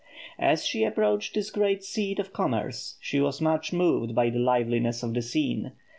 As she approached this great seat of commerce, she was much moved by the liveliness of the scene.